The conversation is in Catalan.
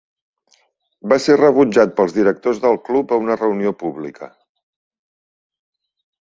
Va ser rebutjat pels directors del club a una reunió pública.